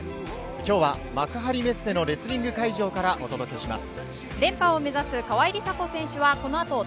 今日は幕張メッセのレスリング会場からお届けします。